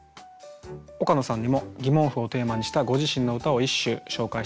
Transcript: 岡野さんにも「？」をテーマにしたご自身の歌を一首紹介して頂きます。